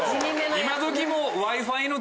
今どきもう。